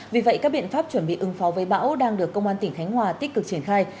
vì vậy các biện pháp chuẩn bị ứng phó với bão đang được công an tỉnh khánh hòa tích cực triển khai